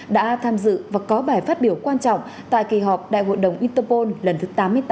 đã tham dự và có bài phát biểu quan trọng tại kỳ họp đại hội đồng interpol lần thứ tám mươi tám